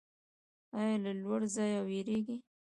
ایا له لوړ ځای ویریږئ؟